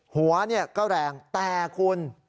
หัวเนี่ยก็แรงแต่คุณ